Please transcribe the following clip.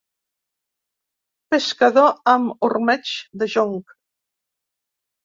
Pescador amb ormeigs de jonc.